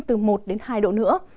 từ một đến hai độ nữa